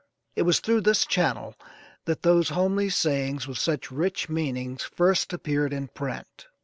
It was through this channel that those homely sayings, with such rich meanings, first appeared in print.